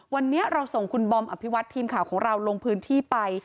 วันนี้เราส่งคุณบอมอภิวัตทีมข่าวของเราลงพื้นที่ไป